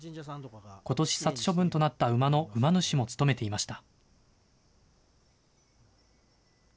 ことし、殺処分となった馬の馬主も務めていました。